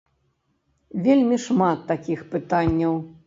Вельмі шмат такіх пытанняў.